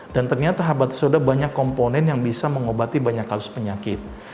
dan ternyata habatus sauda banyak komponen yang bisa mengobati banyak kasus penyakit